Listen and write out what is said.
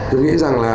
tôi nghĩ rằng là